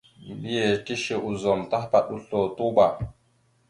Mbiyez tishe ozum tahəpaɗ oslo, tuɓa.